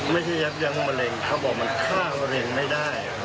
ไม่ใช่ยักษ์ยังมะเร็งเขาบอกมันฆ่ามะเร็งไม่ได้